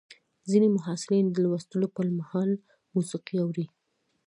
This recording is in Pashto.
ځینې محصلین د لوستلو پر مهال موسیقي اوري.